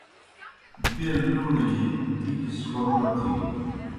بیل لُوݨِجیْ ٹِکیْ سہ خوْن نہ تِھینیْ۔